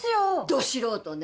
ド素人ね。